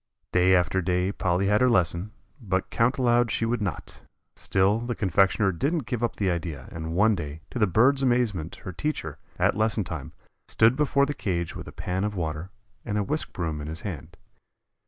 Day after day Polly had her lesson, but count aloud she would not. Still the confectioner didn't give up the idea, and one day, to the bird's amazement her teacher, at lesson time, stood before the cage with a pan of water and a whisk broom in his hand.